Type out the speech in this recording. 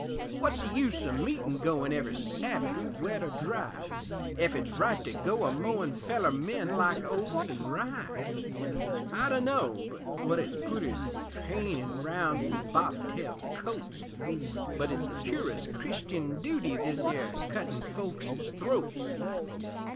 Wut's the use o' meetin' goin' Every Sabbath, wet or dry, Ef it's right to go a mowin' Feller men like oats an' rye? I dunno but wut it's pooty Trainin' round in bobtail coats But it's curus Christian dooty This 'ere cuttin' folks's throats.